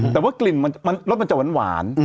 แต่ว่ากลิ่นรสมันจะหวาน